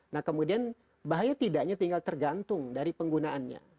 nah kemudian bahaya tidaknya tinggal tergantung dari penggunaannya